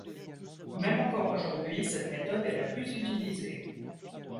Même encore aujourd'hui, cette méthode est la plus utilisée.